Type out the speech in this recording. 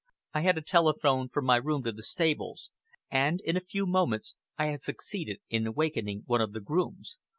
I had a telephone from my room to the stables, and in a few moments I had succeeded in awakening one of the grooms.